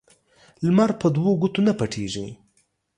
لمر په دوو گوتو نه پټېږي.